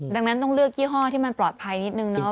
ดังนั้นต้องเลือกยี่ห้อที่มันปลอดภัยนิดนึงเนาะ